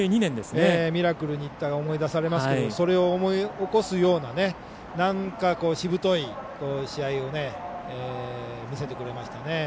ミラクル新田を思い出しますけどそれを思い起こすようななんか、しぶとい試合を見せてくれましたね。